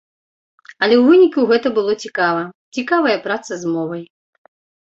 Але ў выніку гэта было цікава, цікавая праца з мовай.